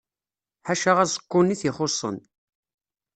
Ḥaca aẓekkun i t-ixuṣṣen.